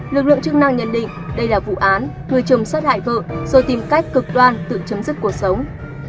lực lượng chức năng nhận định đây là vụ án người chồng sát hại vợ rồi tìm cách cực đoan tự chấm dứt cuộc sống